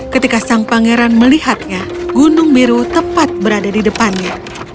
ketika sang pangeran melihatnya gunung biru tepat berada di depannya